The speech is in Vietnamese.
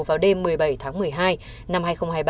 vào đêm một mươi bảy tháng một mươi hai năm hai nghìn hai mươi ba